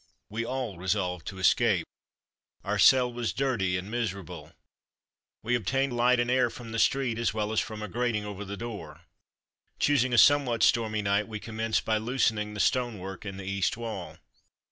We all resolved to escape. Our cell was dirty and miserable. We obtained light and air from the street as well as from a grating over the door. Choosing a somewhat stormy night, we commenced by loosening the stonework in the east wall.